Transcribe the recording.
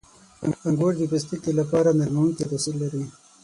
• انګور د پوستکي لپاره نرمونکی تاثیر لري.